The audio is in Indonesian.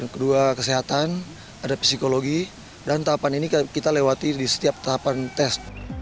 kedua kesehatan ada psikologi dan tahapan ini kita lewati di setiap tahapan tes